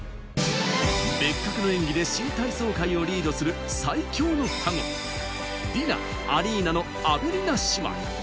別格の演技で新体操界をリードする最強の双子、ディナ、アリーナのアベリナ姉妹。